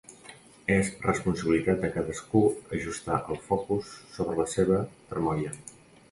És responsabilitat de cadascú ajustar el focus sobre la seva tramoia.